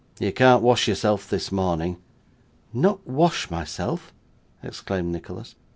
'You can't wash yourself this morning.' 'Not wash myself!' exclaimed Nicholas.